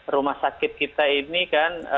rumah sakit kita ini kan